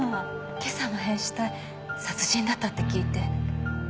今朝の変死体殺人だったって聞いて。